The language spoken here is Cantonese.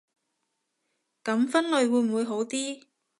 噉分類會唔會好啲